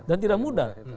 dan tidak mudah